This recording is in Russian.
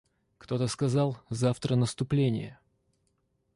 Кто-то сказал: — Завтра наступление.